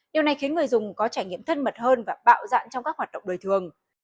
điều này khiến người dùng có trải nghiệm thân mật hơn và bạo dạng trong các hoạt động đời thường